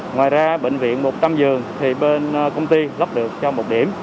ngoài ra bệnh viện một trăm linh giường thì bên công ty lắp được cho một điểm